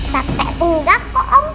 sampai ngga kok om